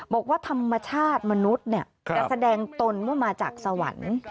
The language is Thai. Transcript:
บอกว่าธรรมชาติมนุษย์จะแสดงตนว่ามาจากสวรรค์